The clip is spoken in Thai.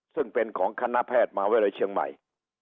ซึ่งเป็นของคณะแพทย์มหาวิทยาลัยเชียงใหม่